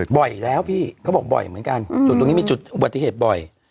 บ่อยแล้วพี่เขาบอกบ่อยเหมือนกันจุดตรงนี้มีจุดอุบัติเหตุบ่อย